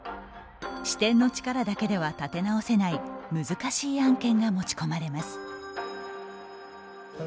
支店の力だけでは立て直せない難しい案件が持ち込まれます。